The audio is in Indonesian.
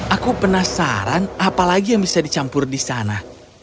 aku penasaran apa lagi yang bisa dicampur di sana